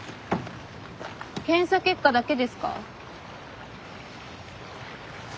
検査結果だけですか？